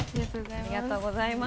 ありがとうございます。